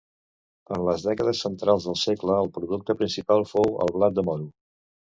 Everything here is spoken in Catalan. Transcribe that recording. En les dècades centrals del segle, el producte principal fou el blat de moro.